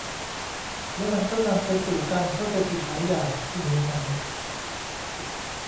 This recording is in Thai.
แล้วมันก็นำไปสู่การเข้าใจผิดหลายอย่าง คุณเห็นไหม